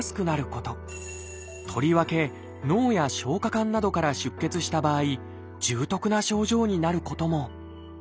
とりわけ脳や消化管などから出血した場合重篤な症状になることも。